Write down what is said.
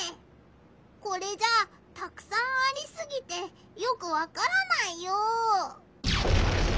これじゃたくさんありすぎてよくわからないよ！